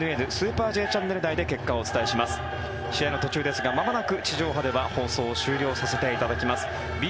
試合の途中ですがまもなく地上波では放送を終了させていただきます。